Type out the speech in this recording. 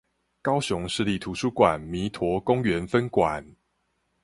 高雄市立圖書館彌陀公園分館